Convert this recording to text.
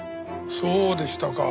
そうでしたか。